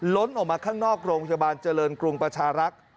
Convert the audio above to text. ออกมาข้างนอกโรงพยาบาลเจริญกรุงประชารักษ์